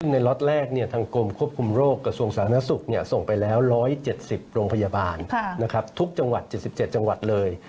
ในล็อตแรกเนี่ยทางกรมควบคุมโรคกระทรวงศาลนักศึกเนี่ยส่งไปแล้ว๑๗๐โรงพยาบาลนะครับทุกจังหวัด๗๗จังหวัดเลย